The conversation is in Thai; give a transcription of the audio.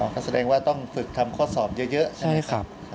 ก็แสดงว่าต้องฝึกทำข้อสอบเยอะใช่ไหมครับ